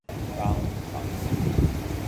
監躉